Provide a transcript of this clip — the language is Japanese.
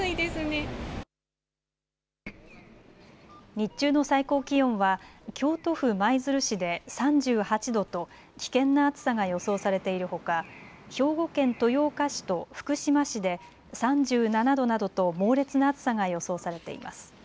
日中の最高気温は京都府舞鶴市で３８度と危険な暑さが予想されているほか兵庫県豊岡市と福島市で３７度などと猛烈な暑さが予想されています。